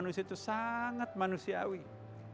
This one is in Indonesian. jadi kita harus mencari penyelesaiannya